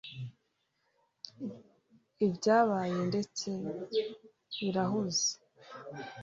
ibyabaye, ndetse birahuze.